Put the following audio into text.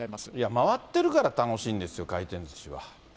回っているから楽しいんですよ、回転ずしは。